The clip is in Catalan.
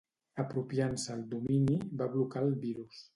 Apropiant-se el domini, va blocar el virus.